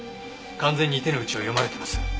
完全に手の内を読まれてます。